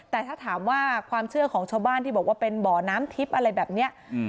แต่ถ้าถามว่าความเชื่อของชาวบ้านที่บอกว่าเป็นบ่อน้ำทิพย์อะไรแบบนี้